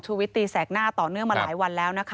วิตตีแสกหน้าต่อเนื่องมาหลายวันแล้วนะคะ